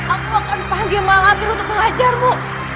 aku akan panggil malabir untuk mengajarmu